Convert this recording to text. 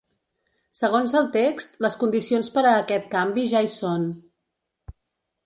Segons el text, les condicions per a aquest canvi ja hi són.